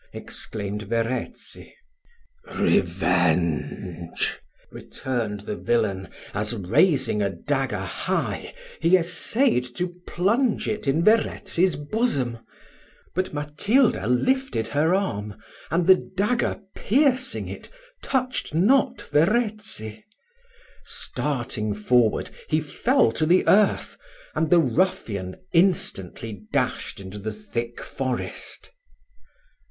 exclaimed Verezzi. "Revenge!" returned the villain, as, raising a dagger high, he essayed to plunge it in Verezzi's bosom, but Matilda lifted her arm, and the dagger piercing it, touched not Verezzi. Starting forward, he fell to the earth, and the ruffian instantly dashed into the thick forest.